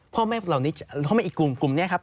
พ่อแม่เหล่านี้พ่อแม่อีกกลุ่มกลุ่มนี้ครับ